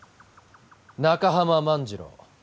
中濱万次郎